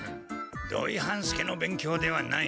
土井半助の勉強ではない！